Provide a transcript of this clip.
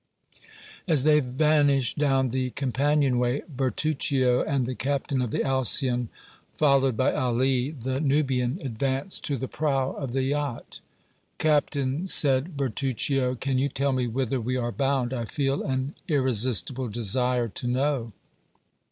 As they vanished down the companion way, Bertuccio and the captain of the Alcyon, followed by Ali, the Nubian, advanced to the prow of the yacht. "Captain," said Bertuccio, "can you tell me whither we are bound? I feel an irresistible desire to know."